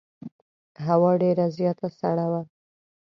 هوا ډېره زیاته سړه وه.